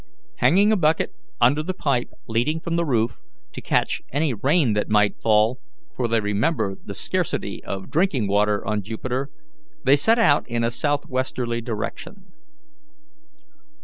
Hanging a bucket under the pipe leading from the roof, to catch any rain that might fall for they remembered the scarcity of drinking water on Jupiter they set out in a southwesterly direction.